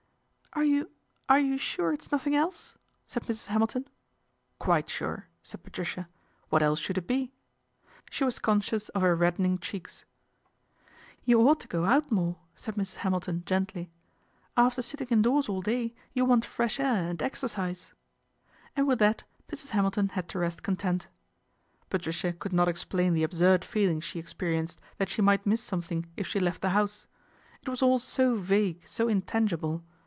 " Are you are you sure it's nothing else ?" said Mrs. Hamilton. " Quite sure," said Patricia. " What else should it be ?" She was conscious of her reddening cheeks. " You ought to go out more," said Mrs. Hamil ton gently. " After sitting indoors all day you want fresh air and exercise." And with that Mrs. Hamilton had to rest con tent. Patricia could not explain the absurd feeling she experienced that she might miss something if she left the house. It was all so vague, so intangible.